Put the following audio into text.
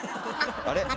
あれ？